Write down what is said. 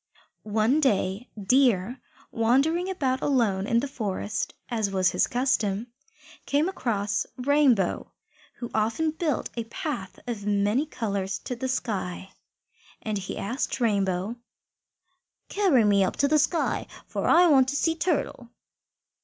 One day Deer, wandering about alone in the forest, as was his custom, came across Rainbow, who often built a path of many colours to the sky. And he said to Rainbow, "Carry me up to the sky, for I want to see Turtle."